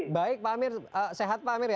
baik pak amir sehat pak amir ya